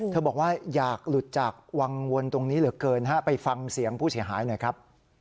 บอกว่าอยากหลุดจากวังวลตรงนี้เหลือเกินฮะไปฟังเสียงผู้เสียหายหน่อยครับ